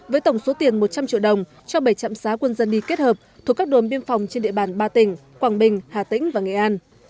với tổng số tiền một trăm linh triệu đồng cho bảy trạm xá quân dân y kết hợp thuộc các đồn biên phòng trên địa bàn ba tỉnh quảng bình hà tĩnh và nghệ an